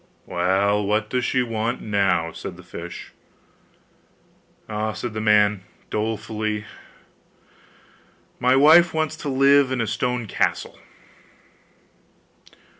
'Well, what does she want now?' said the fish. 'Ah!' said the man, dolefully, 'my wife wants to live in a stone castle.